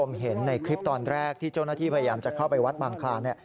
ผมเห็นในคลิปตอนแรกที่เจ้าหน้าที่พยายามจะเข้าไปวัดบางคลานเนี่ย